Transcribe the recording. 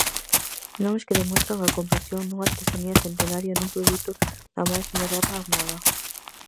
Nomes que demostran a conversión dunha artesanía centenaria nun produto da máis moderna moda.